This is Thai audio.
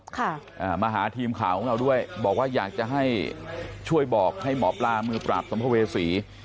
ค่ะอ่ามาหาทีมข่าวของเราด้วยบอกว่าอยากจะให้ช่วยบอกให้หมอปลามือปราบสัมภเวษี